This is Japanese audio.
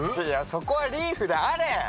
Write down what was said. いやそこはリーフであれ！